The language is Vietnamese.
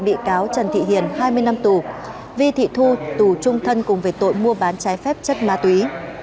bị cáo trần thị hiền hai mươi năm tù vi thị thu tù trung thân cùng về tội mua bán trái phép chất ma túy